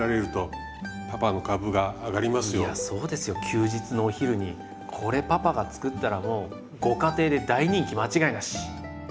休日のお昼にこれパパが作ったらもうご家庭で大人気間違いなし！